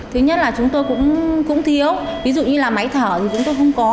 thứ nhất là chúng tôi cũng thiếu ví dụ như là máy thở thì chúng tôi không có